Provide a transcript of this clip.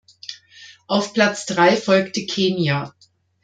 Auf Platz drei folgte Kenia.